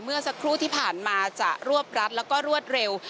เมื่อสักครู่ที่ผ่านมาจะรวบรัดแล้วก็รวดเร็ว